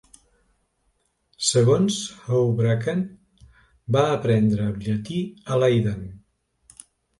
Segons Houbraken, va aprendre llatí a Leiden.